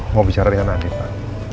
mau bicara dengan adik pak